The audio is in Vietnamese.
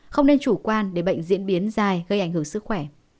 không nên chủ quan để bệnh diễn biến dài gây ảnh hưởng sức khỏe